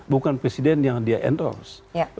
bukan presiden yang dia endorse